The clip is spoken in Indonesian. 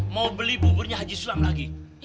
mau beli buburnya haji suam lagi